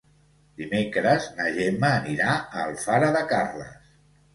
Dimecres na Gemma anirà a Alfara de Carles.